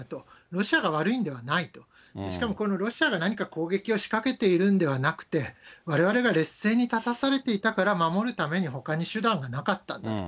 ロシアが悪いんではないと、しかもロシアが何か攻撃を仕掛けているんではなくて、われわれが劣勢に立たされていたから、守るためにほかに手段がなかったんだと。